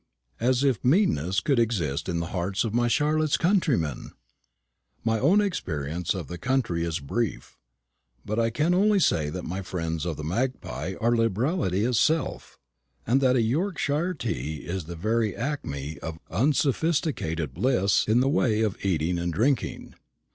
As if meanness could exist in the hearts of my Charlotte's countrymen! My own experience of the county is brief; but I can only say that my friends of the Magpie are liberality itself, and that a Yorkshire tea is the very acme of unsophisticated bliss in the way of eating and drinking.